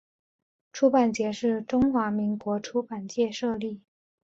出版节是中华民国出版界设立。